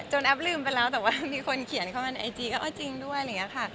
จนแอปลืมไปแล้วแต่ว่ามีคนเขียนเข้ามาในไอจีก็อ้อจริงด้วย